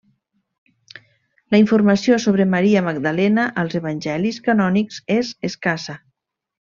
La informació sobre Maria Magdalena als evangelis canònics és escassa.